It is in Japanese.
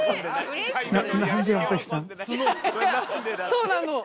そうなの。